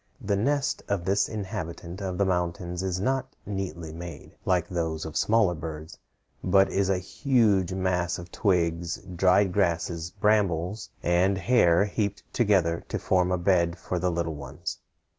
The nest of this inhabitant of the mountains is not neatly made, like those of smaller birds, but is a huge mass of twigs, dried grasses, brambles, and hair heaped together to form a bed for the little ones.